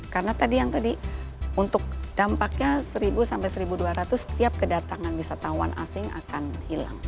karena tadi yang tadi untuk dampaknya seribu sampai seribu dua ratus setiap kedatangan wisatawan asing akan hilang